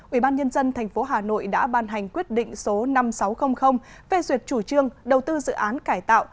ubnd tp hà nội đã ban hành quyết định số năm nghìn sáu trăm linh về duyệt chủ trương đầu tư dự án cải tạo